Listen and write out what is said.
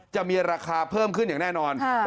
จะมีราคาเพิ่มขึ้นอย่างแน่นอน